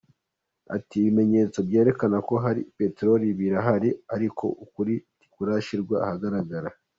Ati “Ibimenyetso byerekana ko hari petelori birahari ariko ukuri ntikurashyirwa ahagaragara.